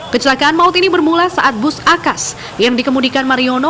kecelakaan maut ini bermula saat bus akas yang dikemudikan mariono